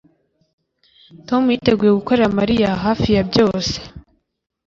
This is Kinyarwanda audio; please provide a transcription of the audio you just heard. Tom yiteguye gukorera Mariya hafi ya byose